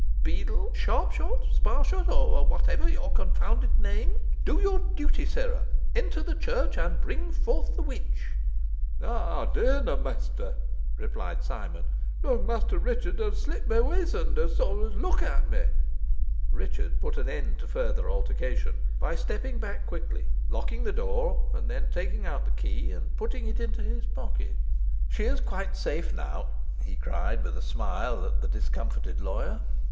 Beadle! Sharpshot, Sparshot, or whatever be your confounded name do your duty, sirrah. Enter the church, and bring forth the witch." "Ey darna, mester," replied Simon; "young mester Ruchot ud slit mey weasand os soon os look ot meh." Richard put an end to further altercation, by stepping back quickly, locking the door, and then taking out the key, and putting it into his pocket. "She is quite safe now," he cried, with a smile at the discomfited lawyer.